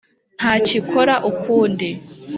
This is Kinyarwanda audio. ntacyikora ukundi,